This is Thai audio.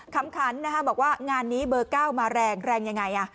คำขันนะฮะบอกว่างานนี้เบอร์เก้ามาแรงแรงยังไงอ่ะ